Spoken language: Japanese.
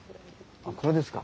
あこれですか。